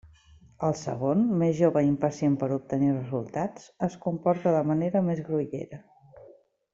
El segon, més jove i impacient per obtenir resultats, es comporta de manera més grollera.